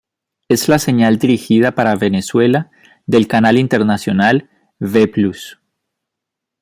Es la señal dirigida para Venezuela del canal internacional Ve Plus.